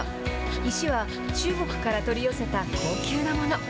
石は中国から取り寄せた高級なもの。